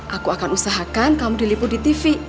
aku akan usahakan kamu diliput di tv